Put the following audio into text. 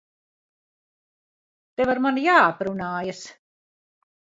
Tev ar mani jāaprunājas.